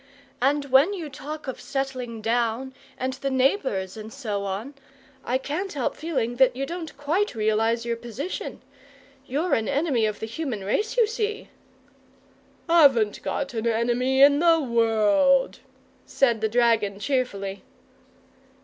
And when you talk of settling down, and the neighbours, and so on, I can't help feeling that you don't quite realize your position. You're an enemy of the human race, you see!" "Haven't got an enemy in the world," said the dragon, cheerfully.